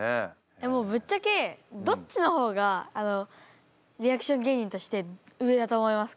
ぶっちゃけどっちの方がリアクション芸人として上だと思いますか？